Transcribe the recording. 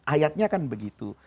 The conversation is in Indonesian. ayatnya kan begitu